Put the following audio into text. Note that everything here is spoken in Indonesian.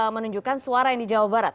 menunjukkan suara yang di jawa barat